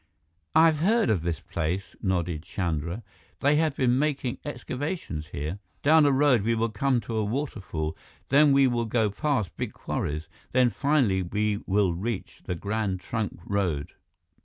"I have heard of this place," nodded Chandra. "They have been making excavations here. Down a road we will come to a waterfall, then we will go past big quarries, then finally we will reach the Grand Trunk Road."